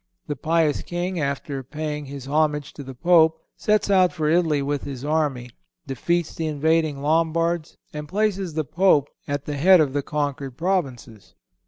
The pious King, after paying his homage to the Pope, sets out for Italy with his army, defeats the invading Lombards and places the Pope at the head of the conquered provinces.